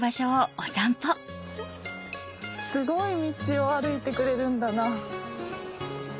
すごい道を歩いてくれるんだな。